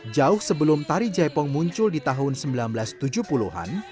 jauh sebelum tari jaipong muncul di tahun seribu sembilan ratus tujuh puluh an